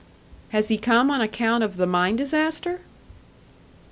"Has he come on account of the mine disaster?"